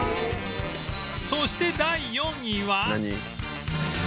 そして第４位は